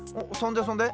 そんで？